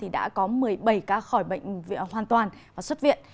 đã có một mươi bảy ca khỏi bệnh hoàn toàn và xuất viện